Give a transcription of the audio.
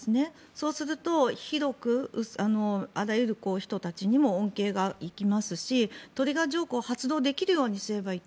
そうすると広くあらゆる人たちにも恩恵が行きますしトリガー条項を発動できるようにすればいい。